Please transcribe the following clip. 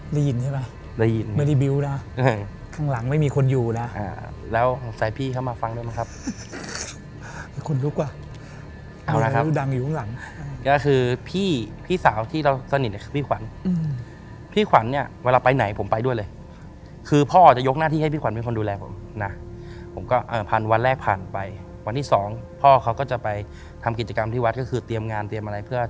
ได้ยินใช่ไหมได้ยินไม่ได้บิ้วนะข้างหลังไม่มีคนอยู่นะแล้วสงสัยพี่เข้ามาฟังด้วยมั้งครับคุณลุกว่ะเอาละครับคุณดำอยู่ข้างหลังก็คือพี่พี่สาวที่เราสนิทเนี่ยคือพี่ขวัญพี่ขวัญเนี่ยเวลาไปไหนผมไปด้วยเลยคือพ่อจะยกหน้าที่ให้พี่ขวัญเป็นคนดูแลผมนะผมก็ผ่านวันแรกผ่านไปวันที่สองพ่อเขาก็จะไปทำกิจกรรมที่วัดก็คือเตรียมงานเตรียมอะไรเพื่อ